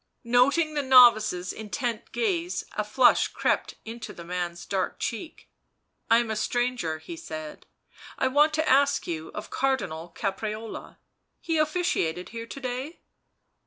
Noting the novice's intent gaze, a flush crept into the man's dark cheek. il I am a stranger," he said. " I want to ask you of Cardinal Caprarola. He officiated here to day?"